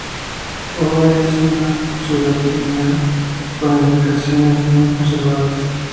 Ouray es una ciudad minera con edificaciones bien conservadas.